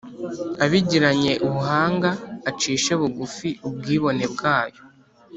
abigiranye ubuhanga acishe bugufi ubwibone bwayo